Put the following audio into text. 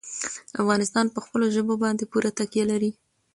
افغانستان په خپلو ژبو باندې پوره تکیه لري.